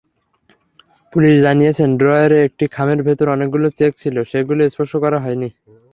Police জানিয়েছে, ড্রয়ারে একটি খামের ভেতর অনেকগুলো চেক ছিল, সেগুলো স্পর্শ করা হয়নি।